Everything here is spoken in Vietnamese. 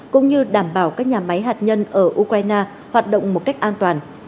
cũng như đảm bảo các nhà máy hạt nhân ở ukraine hoạt động một cách an toàn